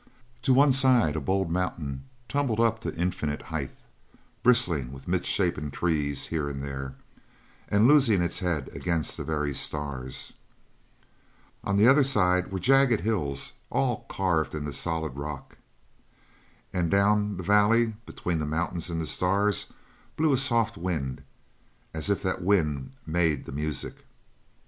To one side a bold mountain tumbled up to an infinite height, bristling with misshapen trees here and there, and losing its head against the very stars. On the other side were jagged hills, all carved in the solid rock. And down the valley, between the mountains and the stars, blew a soft wind; as if that wind made the music.